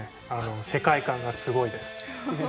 世界観がすごいです。